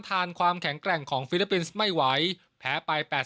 ทานความแข็งแกร่งของฟิลิปปินส์ไม่ไหวแพ้ไป๘๐